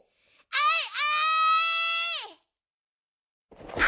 あいあい！